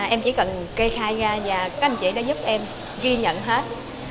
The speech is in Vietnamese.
em chỉ cần kê khai ra và các anh chị đã giúp em ghi nhận hết